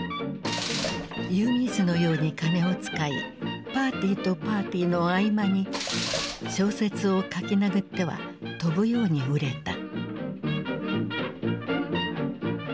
湯水のように金を使いパーティーとパーティーの合間に小説を書きなぐっては飛ぶように売れた。